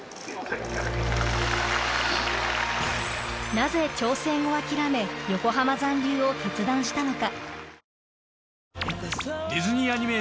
なぜ挑戦を諦め横浜残留を決断したのか？